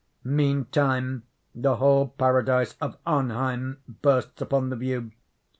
Meantime the whole Paradise of Arnheim bursts upon the view.